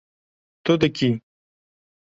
Tu dikî